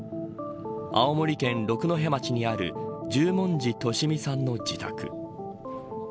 青森県六戸町にある十文字利美さんの自宅。